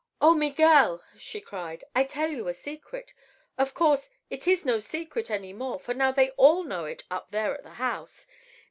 "Oh, Miguel!" she cried. "I tell you a secret. Of course it is no secret any more, for now they all know it, up there at the house.